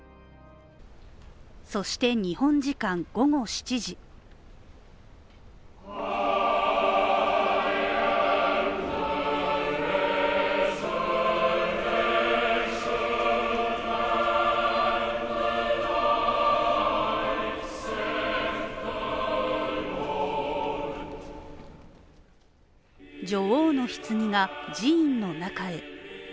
そして、日本時間午後７時女王のひつぎが寺院の中へ。